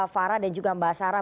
farah dan juga mbak sarah